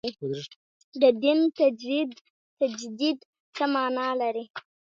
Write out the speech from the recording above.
د دین تجدید څه معنا لري.